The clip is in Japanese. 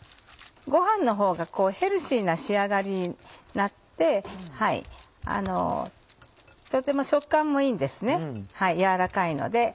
ごはんのほうがヘルシーな仕上がりになってとても食感もいいんですねやわらかいので。